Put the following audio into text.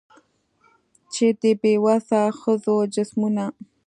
چي د بې وسه ښځو جسمونه